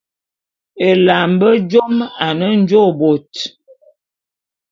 Ela a mbe jôm ane njôô bôt.